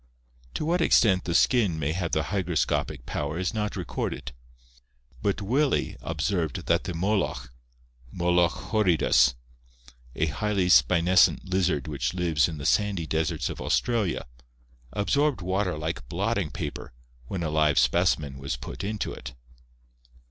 To what extent the skin may have the hygroscopic power is not recorded, but Willey discovered that the moloch {Moloch horridus, Fig. 08) f a highly spinescent lizard which lives in the sandy deserts of Australia, absorbed water like blotting paper when a live speci men was put into it.